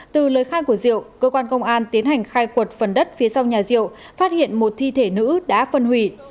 từ lời khai của diệu cơ quan công an tiến hành khai quật phần đất phía sau nhà diệu phát hiện một thi thể nữ đã phân hủy